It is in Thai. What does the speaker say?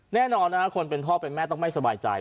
แน่นอนนะครับคนเป็นพ่อเป็นแม่ต้องไม่สบายใจ